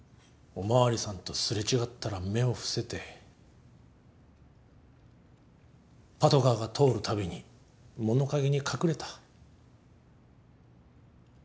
お巡りさんと擦れ違ったら目を伏せてパトカーが通るたびに物陰に隠れた。